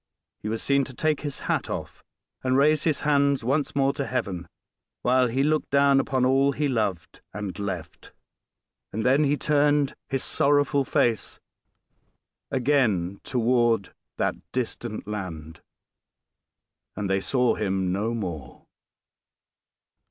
He was seen to take his hat off, and raise his hands once more to Heaven, while he looked down upon all he loved and left; and then he turned his sorrowful face again toward that distant land and they saw him no more!